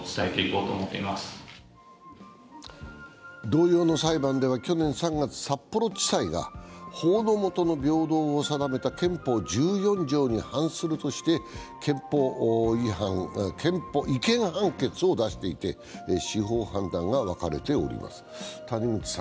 同様の裁判では、去年３月札幌地裁が法の下の平等を定めた憲法１４条に反するとして違憲判決を出していて、司法判断が分かれております。